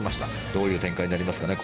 どういう展開になりますかね。